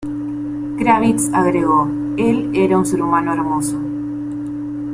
Kravitz agregó: "Él era un ser humano hermoso.